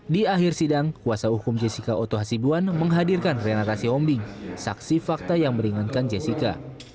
di akhir sidang kuasa hukum jessica oto hasibuan menghadirkan renata siombing saksi fakta yang meringankan jessica